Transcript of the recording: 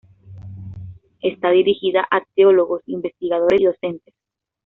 Está dirigida a teólogos, investigadores y docentes.